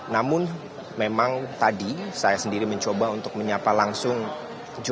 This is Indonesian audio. namun memang tadi saya sendiri mencoba untuk menyapa langsung johnny plate ketika